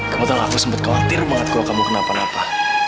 kamu tau gak aku sempet khawatir banget kalo kamu kenapa napa